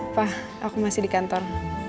wah aku masih di kantor